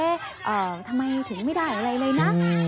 แล้วก็ได้ยินคนพูดว่าเอ๊ทำไมถึงไม่ได้อะไรเลยนะ